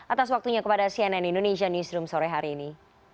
atas waktunya kepada cnn indonesia newsroom sore hari ini